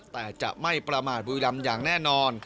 แต่จะไม่ประมาทบุรีรำอย่างแน่นอน